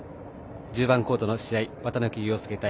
１０番コートの試合、綿貫陽介対